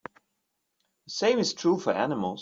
The same is true for animals.